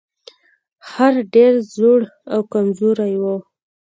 خر ډیر زوړ او کمزوری و.